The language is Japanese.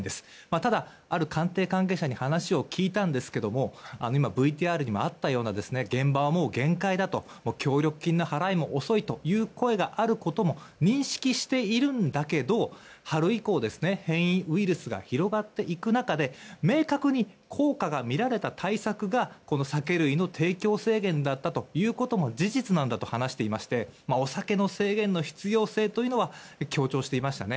ただ、ある官邸関係者に話を聞いたんですが今ＶＴＲにもあったような現場は、もう限界だと協力金の払いも遅いという声があることも認識しているんだけど春以降、変異ウイルスが広がっていく中で明確に効果が見られた対策が酒類の提供制限だったということも事実なんだと話していましてお酒の制限の必要性というのを強調していましたね。